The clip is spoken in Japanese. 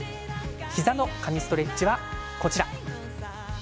膝の神ストレッチは、こちら。